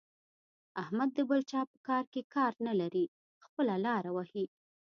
احمد د بل چا په کار کې کار نه لري؛ خپله لاره وهي.